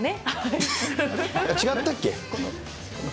違ったっけ？